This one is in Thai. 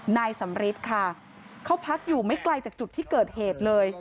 นายสำริทค่ะเขาพักอยู่ไม่ไกลจากจุดที่เกิดเหตุเลย